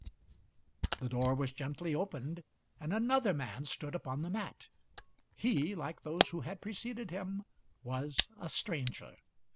The door was gently opened, and another man stood upon the mat. He, like those who had preceded him, was a stranger.